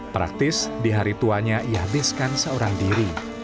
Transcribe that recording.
praktis di hari tuanya ia habiskan seorang diri